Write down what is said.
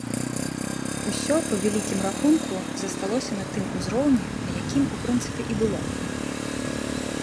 Усё, па вялікім рахунку, засталося на тым узроўні, на якім у прынцыпе і было.